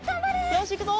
よしいくぞ！